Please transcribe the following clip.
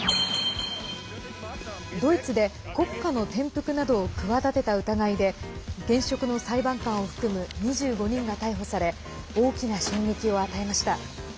ドイツで国家の転覆などを企てた疑いで現職の裁判官を含む２５人が逮捕され大きな衝撃を与えました。